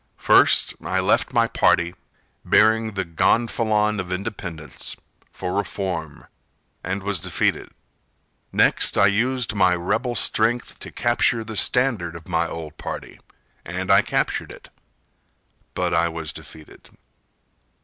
First I left my party, bearing the gonfalon Of independence, for reform, and was defeated. Next I used my rebel strength To capture the standard of my old party— And I captured it, but I was defeated.